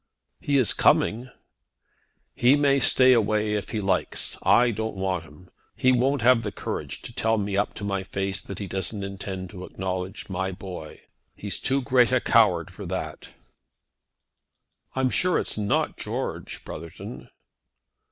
"He is coming." "He may stay away if he likes it. I don't want him. He won't have the courage to tell me up to my face that he doesn't intend to acknowledge my boy. He's too great a coward for that." "I'm sure it's not George, Brotherton."